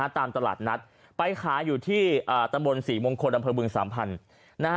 ตามตลาดนัดไปขายอยู่ที่ตำบลศรีมงคลอำเภอบึงสามพันธุ์